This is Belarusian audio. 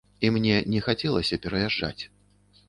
І мне не хацелася пераязджаць.